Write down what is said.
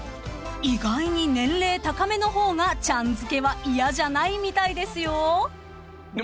［意外に年齢高めの方がちゃんづけは嫌じゃないみたいですよ］